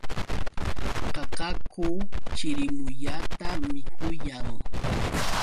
Qaqaku chirimuyata mikuyan.